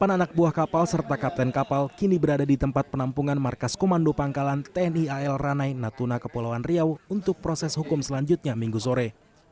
delapan anak buah kapal serta kapten kapal kini berada di tempat penampungan markas komando pangkalan tni al ranai natuna kepulauan riau untuk proses hukum selanjutnya minggu sore